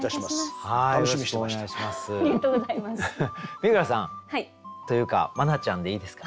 三倉さんというか茉奈ちゃんでいいですか？